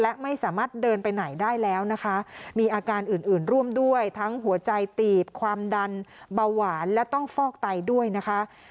และไม่สามารถเดินไปไหนได้แล้วนะคะมีอาการอื่นอื่นร่วมด้วยทั้งหัวใจตีบความดันเบาหวานและต้องฟอกไตด้วยนะคะ